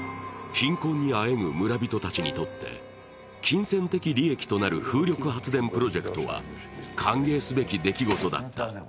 貧困にあえぐ村人たちにとって金銭的利益となる風力発電プロジェクトは、歓迎すべき出来事だった。